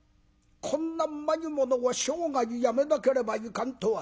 こんなうまいものを生涯やめなければいかんとは。